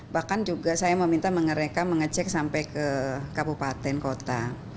bahkan juga saya meminta mereka mengecek sampai ke kabupaten kota